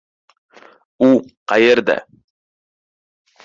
— U qayerda?